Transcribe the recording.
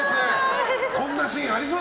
こんなシーンありそう。